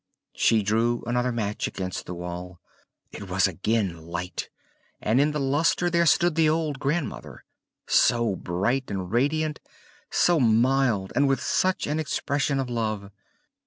She drew another match against the wall: it was again light, and in the lustre there stood the old grandmother, so bright and radiant, so mild, and with such an expression of love.